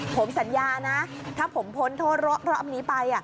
ผมสัญญานะถ้าผมพ้นโทษรอบนี้ไป